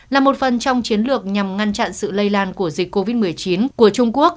là một phần trong chiến lược nhằm ngăn chặn sự lây lan của dịch covid một mươi chín của trung quốc